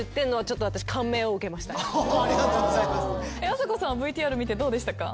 あさこさんＶＴＲ見てどうでしたか？